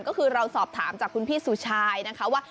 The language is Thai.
ก็คือเราสอบถามจากคุณพี่สุชายนะคะว่า